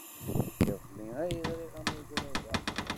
Iḍelli ay ɣriɣ amagrad-a.